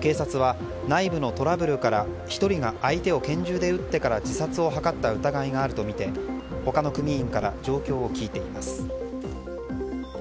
警察は内部のトラブルから１人が相手を拳銃で撃ってから自殺を図った疑いがあるとみて他の組員から状況を聞いています。